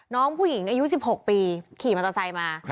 น้องผู้หญิงอายุ๑๖ปีขี่มอเตอร์ไซค์มา